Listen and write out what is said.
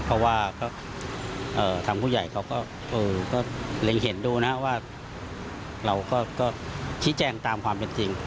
เพราะว่าทางผู้ใหญ่เขาก็เล็งเห็นดูนะว่าเราก็ชี้แจงตามความเป็นจริง